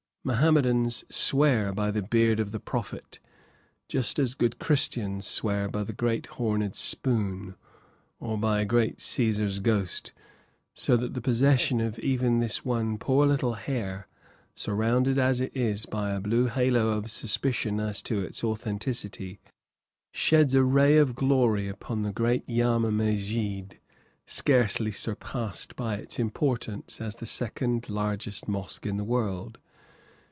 Mohammedans swear by the beard of the Prophet, just as good Christians swear by "the great horned spoon," or by "great Caesar's ghost," so that the possession of even this one poor little hair, surrounded as it is by a blue halo of suspicion as to its authenticity, sheds a ray of glory upon the great Jama Mesjid scarcely surpassed by its importance as the second largest mosque in the world.